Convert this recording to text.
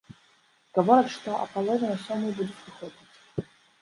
Гавораць, што а палове на сёмую будуць выходзіць.